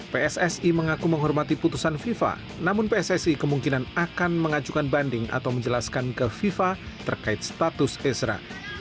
pssi mengaku menghormati putusan fifa namun pssi kemungkinan akan mengajukan banding atau menjelaskan ke fifa terkait status ezra